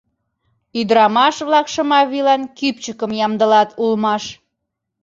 Ӱдырамаш-влак Шымавийлан кӱпчыкым ямдылат улмаш.